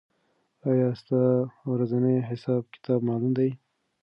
آیا ستا ورځنی حساب کتاب معلوم دی؟